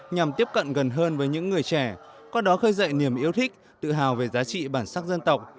nhằm tiếp cận gần hơn với những người trẻ qua đó khơi dậy niềm yêu thích tự hào về giá trị bản sắc dân tộc